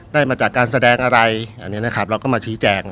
ได้มาจากการแสดงอะไรอันนี้นะครับเราก็มาชี้แจง